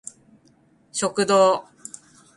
食堂